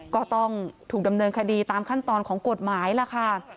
ก็ต้องถูกดำเนินคดีตามขั้นตอนของกฎหมายล่ะค่ะ